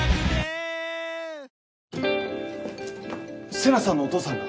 瀬那さんのお父さんが？